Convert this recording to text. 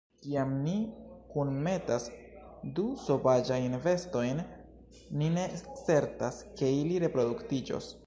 Kiam ni kunmetas du sovaĝajn bestojn, ni ne certas, ke ili reproduktiĝos.